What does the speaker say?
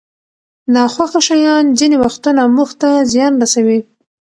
ناخوښه شیان ځینې وختونه موږ ته زیان رسوي.